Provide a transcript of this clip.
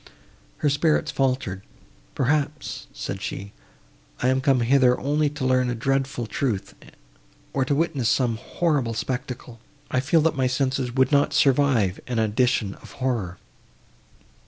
Her spirits faltered. "Perhaps," said she, "I am come hither only to learn a dreadful truth, or to witness some horrible spectacle; I feel that my senses would not survive such an addition of horror."